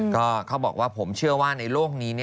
ก็เขาบอกว่าผมเชื่อว่าในโลกนี้